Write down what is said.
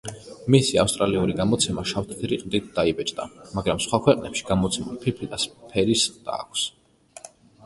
მისი ავსტრალიური გამოცემა შავ-თეთრი ყდით დაიბეჭდა, მაგრამ სხვა ქვეყნებში გამოცემულ ფირფიტას ფერის ყდა აქვს.